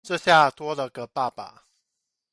這下多了個爸爸